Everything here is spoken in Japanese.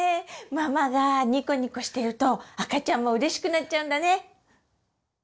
ママがニコニコしていると赤ちゃんもうれしくなっちゃうんだね！